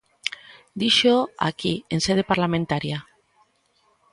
Díxoo aquí, en sede parlamentaria.